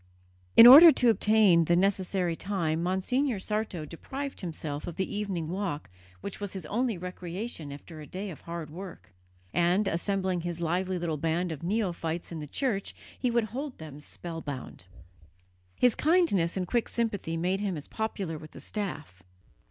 In order to obtain the necessary time Monsignor Sarto deprived himself of the evening walk which was his only recreation after a day of hard work; and, assembling his lively little band of neophytes in the church, he would hold them spellbound. His kindness and quick sympathy made him as popular with the staff.